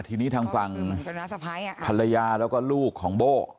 ทีนี้ทางฝั่งภรรยาแล้วก็ลูกของโบ้